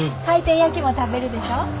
回転焼きも食べるでしょ？